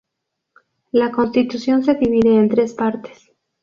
La constitución se divide en tres partes.